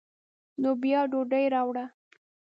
نو بیا ډوډۍ راوړه.